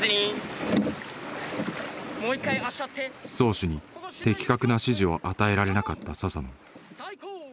漕手に的確な指示を与えられなかった佐々野。